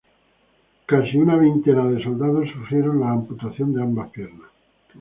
Casi una veintena de soldados sufrieron la amputación de ambas piernas.